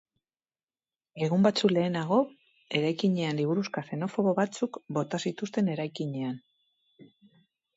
Egun batzuk lehenago, eraikinean liburuxka xenofobo batzuk bota zituzten eraikinean.